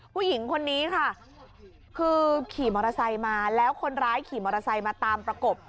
ผู้หญิงคนนี้ค่ะคือขี่มอเตอร์ไซค์มาแล้วคนร้ายขี่มอเตอร์ไซค์มาตามประกบ